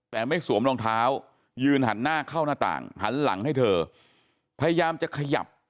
แต่ไม่สวมรองเท้ายืนหันหน้าเข้าหน้าต่างหันหลังให้เธอพยายามจะขยับ